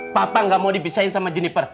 papa nggak mau dibisahin sama jeniper